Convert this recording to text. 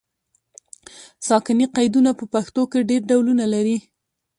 ساکني قیدونه په پښتو کې ډېر ډولونه لري.